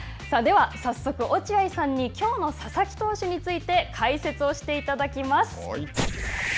では早速、落合さんにきょうの佐々木投手について解説をしていただきます。